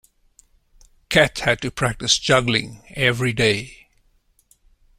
Cat had to practise juggling every day.